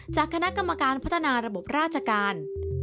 จากคณะกรรมการพัฒนาระบบราชการ